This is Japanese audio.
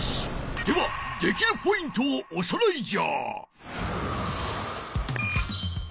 ではできるポイントをおさらいじゃ！